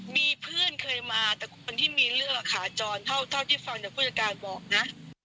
มีเพื่อนเคยมาแต่คนที่มีเรื่องขาจรเท่าที่ฟังจากผู้จัดการบอกนะ